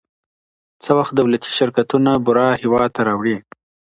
څه وخت دولتي شرکتونه بوره هیواد ته راوړي؟